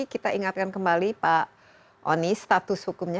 kita ingatkan kembali pak oni status hukumnya